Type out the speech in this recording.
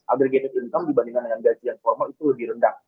aggregated income dibandingkan dengan gajian formal itu lebih rendah